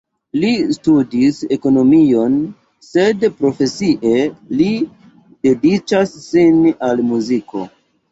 Li studis ekonomion, sed profesie li dediĉas sin al muziko.